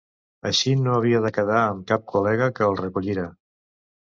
Així no havia de quedar amb cap col·lega que el recollira.